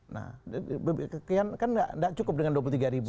nah kan tidak cukup dengan dua puluh tiga ribu